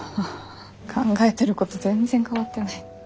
考えてること全然変わってない。